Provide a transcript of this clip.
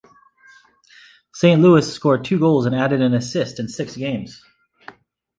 Saint Louis scored two goals and added an assist in six games.